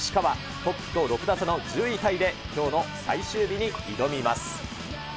トップと６打差の１０位タイで、きょうの最終日に挑みます。